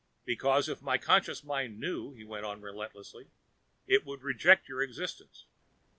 "Because if my conscious mind knew," he went on relentlessly, "it would reject your existence.